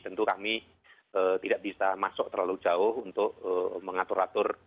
tentu kami tidak bisa masuk terlalu jauh untuk mengatur atur